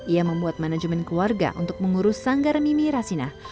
ia membuat manajemen keluarga untuk mengurus sanggar mimi rasinah